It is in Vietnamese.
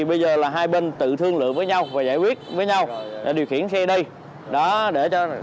bây giờ là hai bên tự thương lượng với nhau và giải quyết với nhau điều khiển xe đi để cho